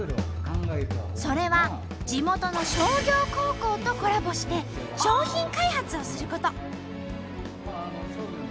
それは地元の商業高校とコラボして商品開発をすること！